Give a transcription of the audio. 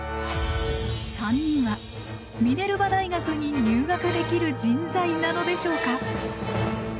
３人はミネルバ大学に入学できる人材なのでしょうか？